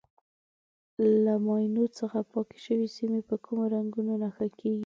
له ماینو څخه پاکې شوې سیمې په کومو رنګونو نښه کېږي.